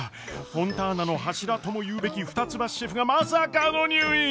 フォンターナの柱とも言うべき二ツ橋シェフがまさかの入院！？